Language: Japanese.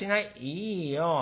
「いいよ。